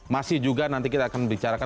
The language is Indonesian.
masih juga nanti kita akan bicarakan